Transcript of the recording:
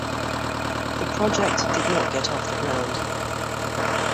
The project did not get off the ground.